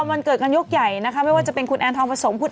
วันเกิดกันยกใหญ่นะคะไม่ว่าจะเป็นคุณแอนทองผสมพุทธ